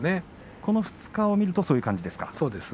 この２日を見るとそんな感じですか。